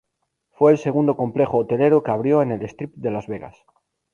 Fue el segundo complejo hotelero que abrió en el Strip de Las Vegas.